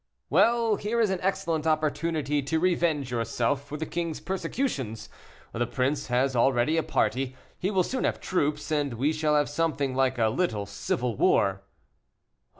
"Well, here is an excellent opportunity to revenge yourself for the king's persecutions. The prince has already a party, he will soon have troops, and we shall have something like a little civil war."